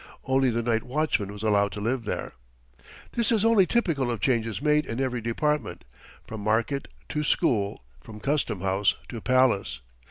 Only the night watchman was allowed to live there. This is only typical of changes made in every department, from market to school, from custom house to palace.